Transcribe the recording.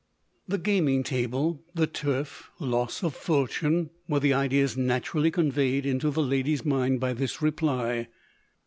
The gaming table, the turf, loss of fortune, were the ideas naturally conveyed into the lady's mind by this reply.